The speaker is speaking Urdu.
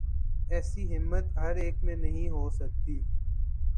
ایسی ہمت ہر ایک میں نہیں ہو سکتی۔